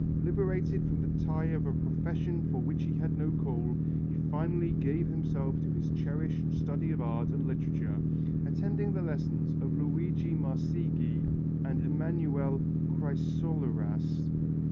Liberated from the tie of a profession for which he had no call, he finally gave himself to his cherished study of art and literature, attending the lessons of Luigi Marsigli and Emanuele Chrysoloras.